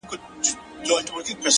په دې پوهېږمه چي ستا د وجود سا به سم،